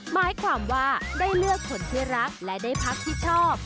หมายความว่าได้เลือกคนที่รักและได้พักที่ชอบ